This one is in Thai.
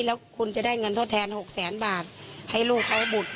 แล้วคุณจะได้เงินทดแทน๖แสนบาทให้ลูกเขาบุตร